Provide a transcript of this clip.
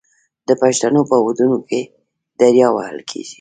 د پښتنو په ودونو کې دریا وهل کیږي.